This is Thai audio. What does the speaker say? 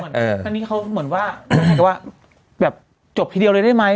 อันนี้เขาเหมือนว่าแบบจบทีเดียวเลยได้ไหม